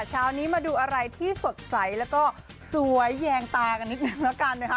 เช้านี้มาดูอะไรที่สดใสแล้วก็สวยแยงตากันนิดนึงแล้วกันนะคะ